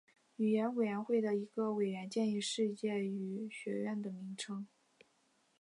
语言委员会的一个委员建议了世界语学院的名称。